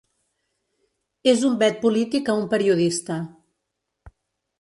És un vet polític a un periodista.